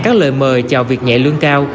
các lời mời chào việc nhẹ lương cao